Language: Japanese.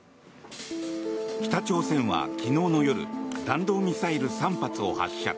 北朝鮮は昨日の夜弾道ミサイル３発を発射。